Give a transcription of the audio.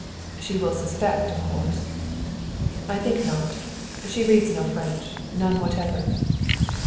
"She will suspect, of course." "I think not. And she reads no French. None whatever."